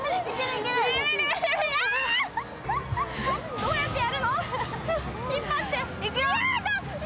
どうやってやるの？